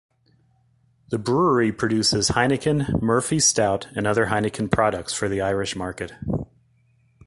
The brewery produces Heineken, Murphy's stout and other Heineken products for the Irish market.